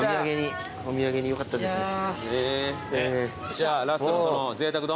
じゃあラストのその。